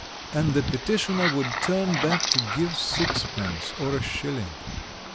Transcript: and the petitioner would turn back to give sixpence or a shilling.